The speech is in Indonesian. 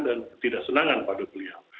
dan ketidaksenangan pada beliau